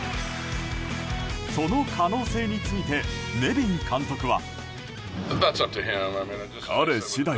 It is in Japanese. その可能性についてネビン監督は。